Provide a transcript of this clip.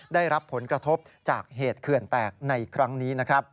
ได้รับผลกระทบจากเหตุเขื่อนแตกในครั้งนี้นะครับ